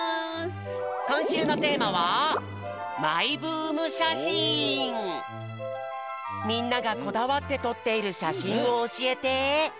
こんしゅうのテーマはみんながこだわってとっているしゃしんをおしえて！